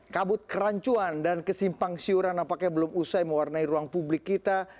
kabut kerancuan dan kesimpang siuran apakah belum usai mewarnai ruang publik kita